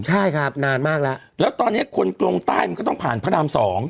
ใช่ครับนานมากแล้วแล้วตอนนี้คนกลงใต้มันก็ต้องผ่านพระราม๒